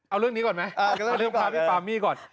เอาเรื่องนี้ก่อนไหมเอาเรื่องพาพี่ฟาร์มี่ก่อน